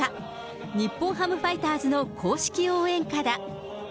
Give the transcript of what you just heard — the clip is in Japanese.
日本ハムファイターズの公式応援歌だ。